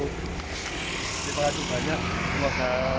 kita ada banyak masalahnya lancar